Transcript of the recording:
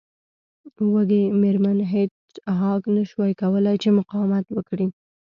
وږې میرمن هیج هاګ نشوای کولی چې مقاومت وکړي